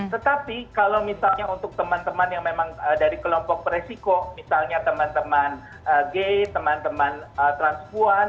tetapi kalau misalnya untuk teman teman yang memang dari kelompok beresiko misalnya teman teman gate teman teman transpuan